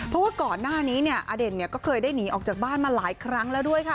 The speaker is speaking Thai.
เพราะว่าก่อนหน้านี้เนี่ยอเด่นก็เคยได้หนีออกจากบ้านมาหลายครั้งแล้วด้วยค่ะ